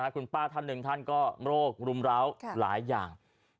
คุณป้าท่านหนึ่งท่านก็โรครุมร้าวหลายอย่าง